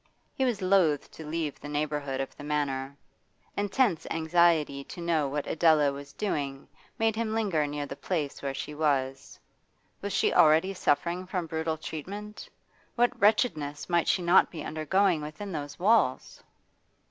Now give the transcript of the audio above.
He was loth to leave the neighbourhood of the Manor; intense anxiety to know what Adela was doing made him linger near the place where she was. Was she already suffering from brutal treatment? What wretchedness might she not be undergoing within those walls!